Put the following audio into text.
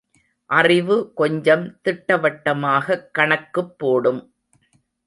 அறிவு கொஞ்சம் திட்டவட்டமாகக் கணக்குப் போடும்.